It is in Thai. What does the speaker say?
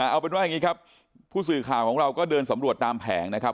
เอาเป็นว่าอย่างนี้ครับผู้สื่อข่าวของเราก็เดินสำรวจตามแผงนะครับ